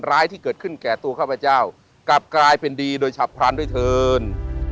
ร้ายที่เกิดขึ้นแก่ตัวข้าพเจ้ากลับกลายเป็นดีโดยฉับพลันด้วยเถิน